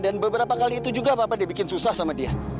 dan beberapa kali itu juga papa dibikin susah sama dia